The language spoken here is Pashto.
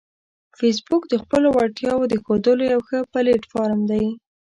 فېسبوک د خپلو وړتیاوو د ښودلو یو ښه پلیټ فارم دی